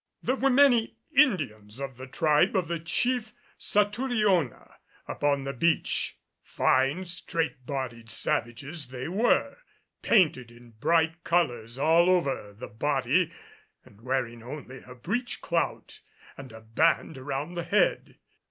There were many Indians of the tribe of the Chief Satouriona upon the beach. Fine, straight bodied savages they were, painted in bright colors all over the body and wearing only a breech clout, and a band around the head.